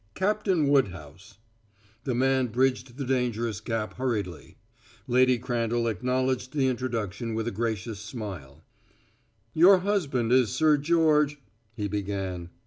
Captain Woodhouse." The man bridged the dangerous gap hurriedly. Lady Crandall acknowledged the introduction with a gracious smile. "Your husband is Sir George " he began.